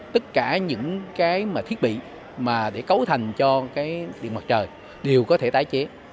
tất cả những cái thiết bị mà để cấu thành cho cái điện mặt trời đều có thể tái chế